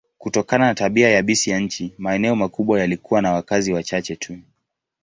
Kutokana na tabia yabisi ya nchi, maeneo makubwa yalikuwa na wakazi wachache tu.